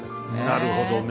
なるほどね。